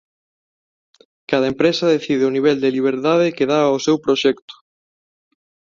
Cada empresa decide o nivel de liberdade que da ao seu proxecto.